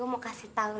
oh masih gini lagi